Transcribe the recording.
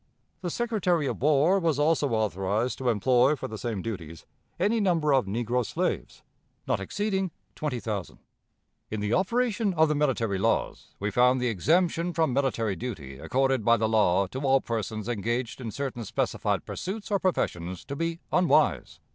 The Secretary of War was also authorized to employ for the same duties any number of negro slaves not exceeding twenty thousand. In the operation of the military laws we found the exemption from military duty accorded by the law to all persons engaged in certain specified pursuits or professions to be unwise.